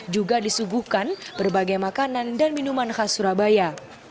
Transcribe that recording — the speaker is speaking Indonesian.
juga disuguhkan berbagai makanan dan minuman khas surabaya